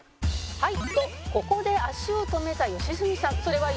はい。